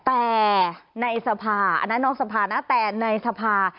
แต่ในน้องสภานะแต่ในสภา